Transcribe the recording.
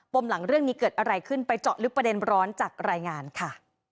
มหลังเรื่องนี้เกิดอะไรขึ้นไปเจาะลึกประเด็นร้อนจากรายงานค่ะ